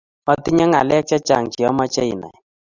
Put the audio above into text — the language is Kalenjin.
Otinye ngalek chechang che omoche inai